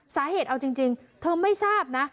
สาเหตุเอาจริงเธอไม่ทราบนะ